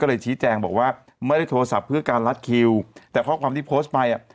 ก็เลยชี้แจงบอกว่าไม่ได้โทรศัพท์เพื่อการลัดคิวแต่ข้อความที่โพสต์ไปอ่ะ